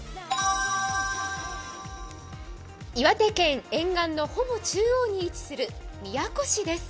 岩手県沿岸のほぼ中央に位置する宮古市です。